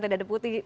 tidak ada putih